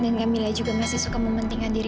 dan kamila juga masih suka mempentingkan diri